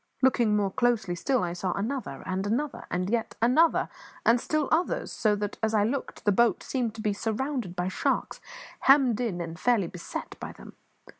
Looking more closely still, I saw another, and another, and yet another, and still others; so that, as I looked, the boat seemed to be surrounded by sharks, hemmed in and fairly beset by them.